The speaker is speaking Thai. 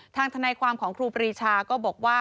ทนายความของครูปรีชาก็บอกว่า